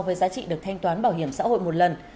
với giá trị được thanh toán bảo hiểm xã hội một lần